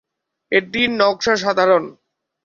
এটির নকশা সাধারণ।